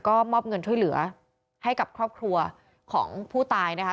ก็มอบเงินช่วยเหลือให้กับครอบครัวของผู้ตายนะคะ